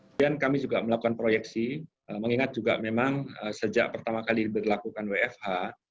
kemudian kami juga melakukan proyeksi mengingat juga memang sejak pertama kali diberlakukan wfh